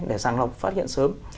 để sàng lọc phát hiện sớm